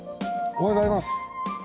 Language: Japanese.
おはようございます。